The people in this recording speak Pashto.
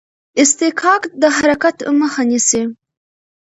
اصطکاک د حرکت مخه نیسي.